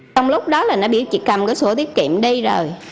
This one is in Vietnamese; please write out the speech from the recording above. trong lúc đó là nó biết chị cầm cái sổ tiết kiệm đi rồi